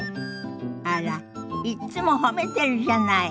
あらいっつも褒めてるじゃない。